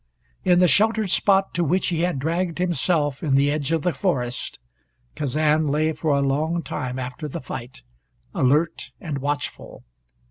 In the sheltered spot to which he had dragged himself in the edge of the forest Kazan lay for a long time after the fight, alert and watchful.